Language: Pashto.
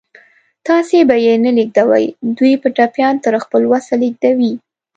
تاسې به یې نه لېږدوئ، دوی به ټپيان تر خپل وسه ولېږدوي.